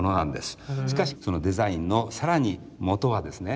しかしそのデザインの更に元はですね